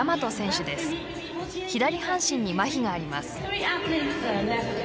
左半身にまひがあります。